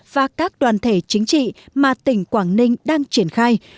và các đoàn thể chính trị mà tỉnh quảng ninh đang triển khai